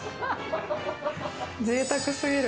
ぜいたくすぎる。